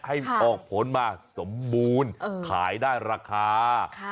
ให้ออกผลมาสมบูรณ์ขายได้ราคา